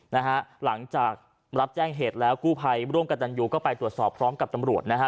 นะฮะหลังจากรับแจ้งเหตุแล้วกู้ภัยร่วมกับตันยูก็ไปตรวจสอบพร้อมกับตำรวจนะฮะ